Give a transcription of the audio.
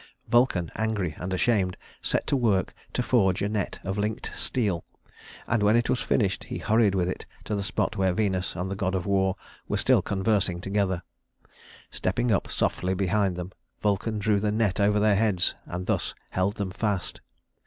Vulcan, angry and ashamed, set to work to forge a net of linked steel; and when it was finished, he hurried with it to the spot where Venus and the god of war were still conversing together. Stepping up softly behind them, Vulcan drew the net over their heads, and thus held them fast.